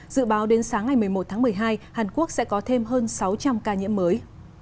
dự báo đến sáng ngày một mươi một tháng một mươi hai hàn quốc sẽ có thêm hơn sáu trăm linh ca nhiễm mới